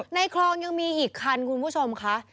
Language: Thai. ในคลองยังมีอีกคันคุณผู้ชมค่ะ